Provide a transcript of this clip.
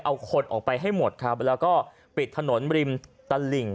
เอาคนออกไปให้หมดครับแล้วก็ปิดถนนริมตลิ่ง